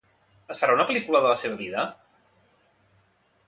Es farà una pel·lícula de la seva vida?